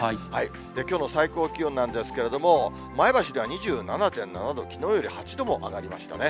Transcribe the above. きょうの最高気温なんですけれども、前橋では２７．７度、きのうより８度も上がりましたね。